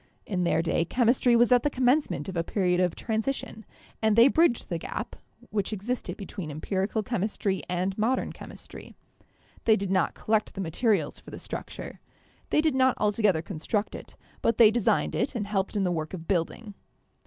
In their day chemistry was at the commencement of a period of transition, and they bridged the gap which existed between empirical chemistry and modern chemis THE PHLOGISTIC PERIOD PROPER 105 try. They did not collect the materials for the structure — they did not altogether construct it, but they designed it, and helped in the work of building.